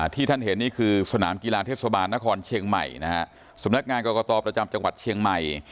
ที่ท่านเห็นนี่คือสนามกีฬาเทศบาลนครเชียงใหม่นะฮะสำนักงานกรกตประจำจังหวัดเชียงใหม่